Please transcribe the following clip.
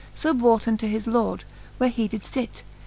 So brought unto his lord, where he did fit.